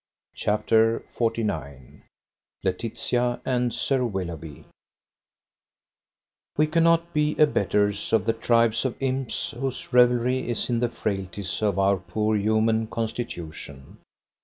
CHAPTER XLIX LAETITIA AND SIR WILLOUGHBY We cannot be abettors of the tribes of imps whose revelry is in the frailties of our poor human constitution.